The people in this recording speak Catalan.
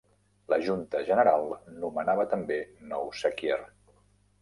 La Junta General nomenava també nou sequier.